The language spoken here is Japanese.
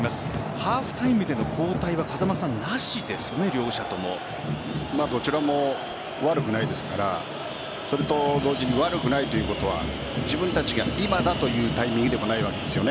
ハーフタイムでの交代はどちらも悪くないですからそれと同時に悪くないということは自分たちが今だというタイミングでもないわけです。